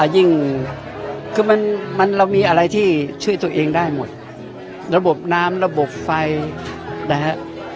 ยิ่งคือมันเรามีอะไรที่ช่วยตัวเองได้หมดระบบน้ำระบบไฟนะฮะ